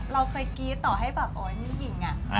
เราเคยกรี๊ดต่อให้แบบโอ๊ยมีหญิงอะ